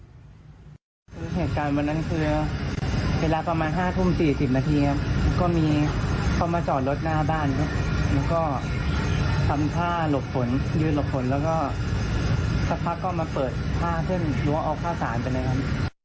คือเหตุการณ์วันนั้นคือเวลาประมาณ๕ทุ่ม๔๐นาทีครับก็มีเข้ามาจอดรถหน้าบ้านครับแล้วก็ทำท่าหลบฝนยืนหลบฝนแล้วก็สักพักก็มาเปิดผ้าเส้นรั้วเอาข้าวสารไปเลยครับ